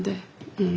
うん。